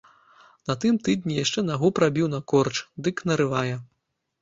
На тым тыдні яшчэ нагу прабіў на корч, дык нарывае.